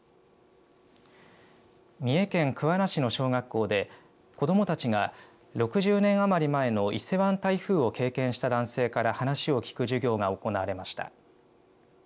三重県桑名市の小学校で子どもたちが６０年余り前の伊勢湾台風を経験した男性から話を聞く授業が行われました。